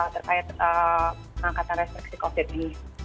terkait pengangkatan restriksi covid ini